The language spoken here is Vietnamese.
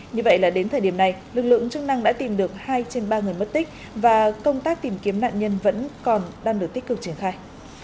như vậy là đến thời điểm này lực lượng chức năng đã tìm được hai trên ba người mất tích và công tác tìm kiếm nạn nhân vẫn còn đang được tích cực triển khai